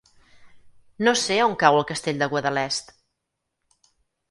No sé on cau el Castell de Guadalest.